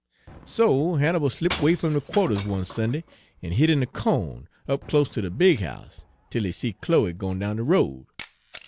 "So Hannibal slipped 'way fum de qua'ters one Sunday en hid in de co'n up close ter de big house, 'tel he see Chloe gwine down de road.